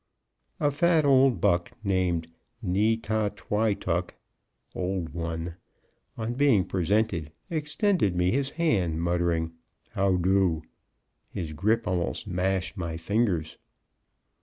A fat old buck named Ne tah twy tuck (old one), on being presented, extended me his hand, muttering, "How do?" His grip almost mashed my fingers.